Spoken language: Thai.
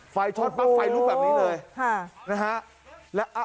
ไฟช็อตปั๊บไฟลุกแบบนี้เลยนะฮะ